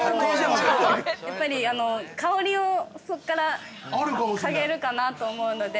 やっぱり香りをそこから嗅げるかなと思うので。